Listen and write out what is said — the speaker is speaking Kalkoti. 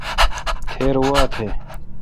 تھیر وا تھ۔